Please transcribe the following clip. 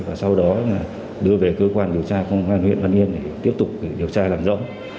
và sau đó là đưa về cơ quan điều tra công an huyện văn yên để tiếp tục điều tra làm rõ